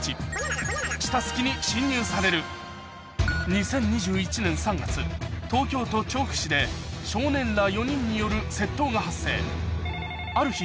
２０２１年３月東京都調布市で少年ら４人による窃盗が発生ある日